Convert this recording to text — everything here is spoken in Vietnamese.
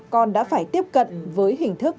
con đã phải tiếp cận với hình thức